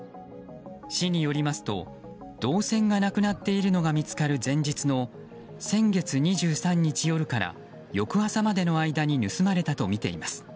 市によりますと銅線がなくなっているのが見つかる前日の先月２３日夜から翌朝までの間に盗まれたとみています。